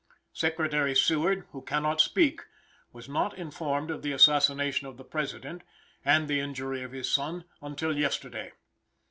Secretary Seward, who cannot speak, was not informed of the assassination of the President, and the injury of his son, until yesterday.